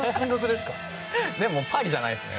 でもパリじゃないですね。